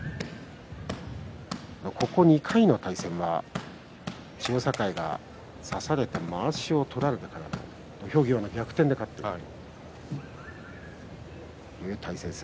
ここ２回の対戦は千代栄が差されてまわしを取られてから土俵際で逆転で勝っています。